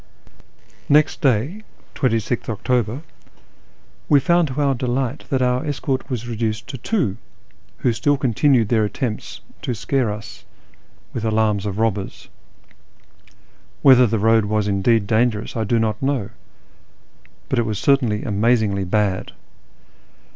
Next day (2Gth October) we found to our delight that our escort was reduced to two, who still continued their attempts to scare us with alarms of robbers. Whether the road was indeed dangerous I do not know, but it was certainly amazingly bad.